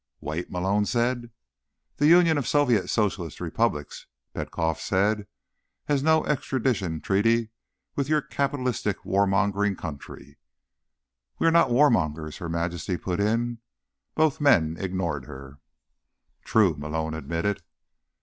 "Wait?" Malone said. "The Union of Soviet Socialist Republics," Petkoff said, "has no extradition treaty with your capitalist warmongering country." "We're not warmongers," Her Majesty put in. Both men ignored her. "True," Malone admitted.